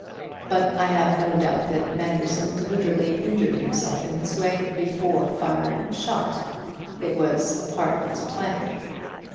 But I have no doubt that Manderson deliberately injured himself in this way before firing the shot; it was a part of his plan.